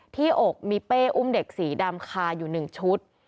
อกมีเป้อุ้มเด็กสีดำคาอยู่๑ชุด